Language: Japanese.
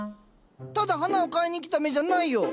ただ花を買いに来た目じゃないよ。